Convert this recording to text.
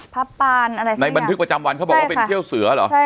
พระปานอะไรสักอย่างในบันทึกประจำวันเขาบอกว่าเป็นเที่ยวเสือเหรอ